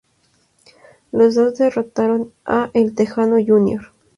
Los dos derrotaron a El Texano Jr.